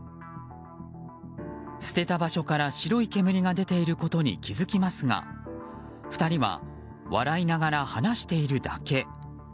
捨てた場所から白い煙が出ていることに気づきますが２人は笑いながら話しているだけ。